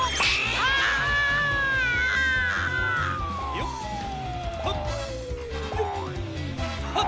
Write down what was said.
よっ！